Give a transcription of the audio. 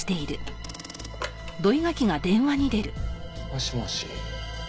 もしもし。